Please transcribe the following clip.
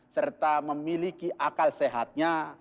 serta memiliki akal sehatnya